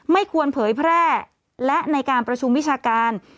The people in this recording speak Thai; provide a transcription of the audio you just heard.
ไม่ควรเผยแพร่และในการประชุมวิชาการ